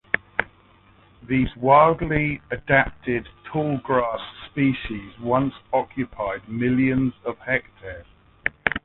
These widely adapted tallgrass species once occupied millions of hectares.